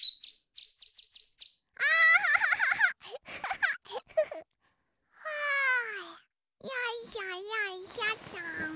フフフ。はよいしょよいしょっと。